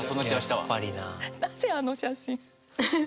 なぜあの写真。